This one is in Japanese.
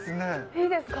いいですか？